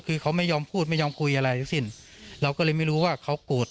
คือเขาไม่ยอมพูดไม่ยอมคุยอะไรทั้งสิ้นเราก็เลยไม่รู้ว่าเขาโกรธ